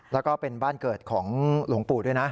แล้วก็เป็นบ้านเกิดของหลวงปู่ด้วยนะ